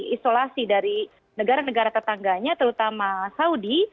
isolasi dari negara negara tetangganya terutama saudi